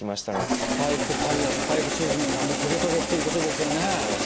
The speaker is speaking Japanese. スパイクタイヤスパイクシューズのようなもうトゲトゲっていうことですよね。